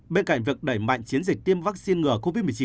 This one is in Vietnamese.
bên cạnh việc đẩy mạnh chiến dịch tiêm vaccine ngừa covid một mươi chín